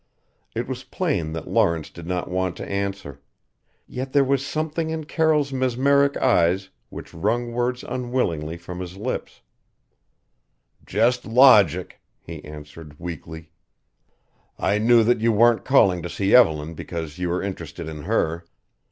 It was plain that Lawrence did not want to answer yet there was something in Carroll's mesmeric eyes which wrung words unwillingly from his lips "Just logic," he answered weakly. "I knew that you weren't calling to see Evelyn because you were interested in her.